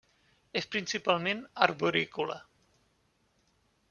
És principalment arborícola.